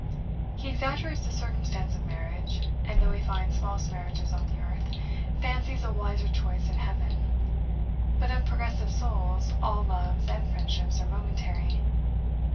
He exaggerates the circumstance of marriage; and, though he finds false marriages on the earth, fancies a wiser choice in heaven. But of progressive souls, all loves and friendships are momentary.